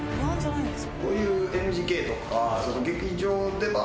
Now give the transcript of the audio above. こういうＮＧＫとか劇場の出番